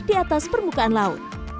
di atas permukaan laut